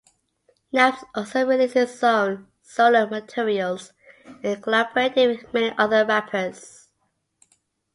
Naps also released his own solo materials and collaborated with many other rappers.